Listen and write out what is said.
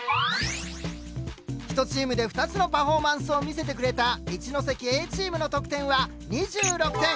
１チームで２つのパフォーマンスを見せてくれた一関Ａチームの得点は２６点。